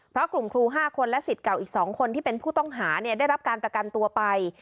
เพราะกลุ่มครู๕คนและสิทธิ์เก่าอีก๒คนที่เป็นผู้ต้องหาได้รับการประกันตัวไป